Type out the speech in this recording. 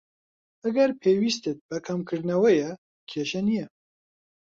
ئەگەر پێویستت بە کەمکردنەوەیە، کێشە نیە.